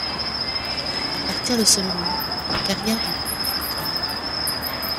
À partir de ce moment, la carrière du groupe décolle.